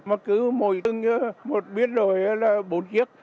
mà cứ mỗi tầng một biến đổi là bốn chiếc